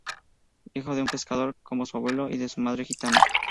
Hijo de un pescador, como su abuelo, y de madre gitana.